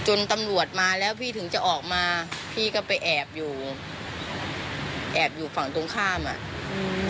ตำรวจมาแล้วพี่ถึงจะออกมาพี่ก็ไปแอบอยู่แอบอยู่ฝั่งตรงข้ามอ่ะอืม